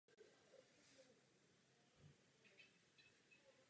Tím bylo ukončeno takřka pět století působení dominikánského řádu v Opavě.